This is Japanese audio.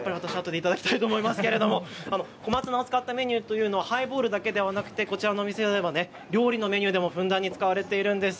小松菜を使ったメニューというのはハイボールだけではなくてこちらのお店では料理のメニューでもふんだんに使われているんです。